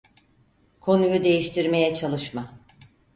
Konuyu değiştirmeye çalışma.